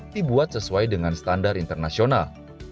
dibuat sesuai dengan standar internasional